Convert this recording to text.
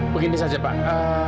begini saja pak